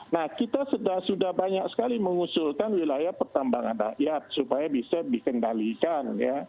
nah kita sudah banyak sekali mengusulkan wilayah pertambangan rakyat supaya bisa dikendalikan ya